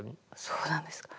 そうなんですか。